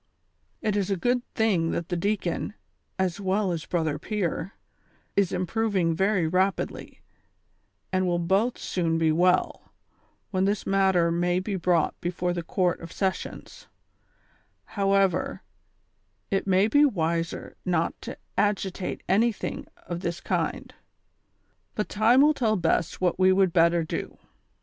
206 THE SOCIAL WAR OF 1900; OR, "It is a good thing that the deacon, as well as Brother Pier, is improving very rapidly, and will both soon be well, when this matter may be brought before the Court of Ses sions ; however, it may be wiser not to agitate anything of this kind, but time will tell best what we would better do.